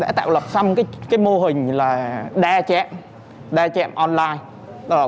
đã tạo lập xong cái mô hình là đa chẹm đa chẹm online